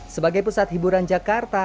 sebagai pusat hiburan jakarta